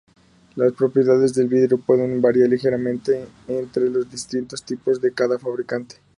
Las propiedades del vidrio pueden variar ligeramente entre los distintos tipos de cada fabricante.